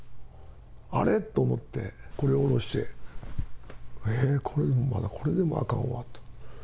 あれっと思って、これを下ろして、ええ、これでもまだあかんわ。